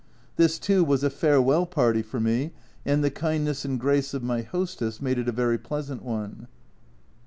This, too, was a farewell party for me, and the kindness and grace of my hostess made it a very pleasant one.